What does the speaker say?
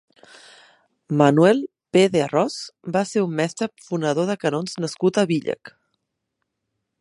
Manuel Pe-de-Arròs va ser un mestre fonedor de canons nascut a Víllec.